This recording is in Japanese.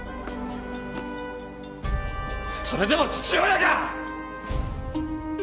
それでも父親か！